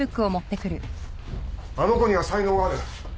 あの子には才能がある。